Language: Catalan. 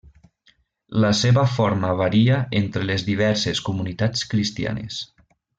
La seva forma varia entre les diverses comunitats cristianes.